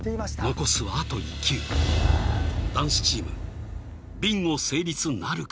残すはあと１球男子チームビンゴ成立なるか？